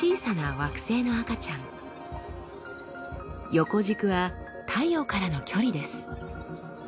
横軸は太陽からの距離です。